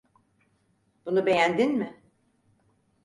Bunu beğendin mi?